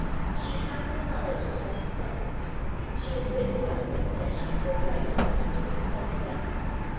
She has the knowledge which I suspected: she has bitten the only point she could bite to produce sudden death.